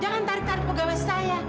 jangan tarik tar pegawai saya